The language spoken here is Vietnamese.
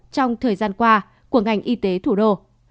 trong thời gian qua của ngành y tế thủ đô